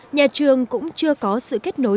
nhà trường cũng chưa có sự kết nối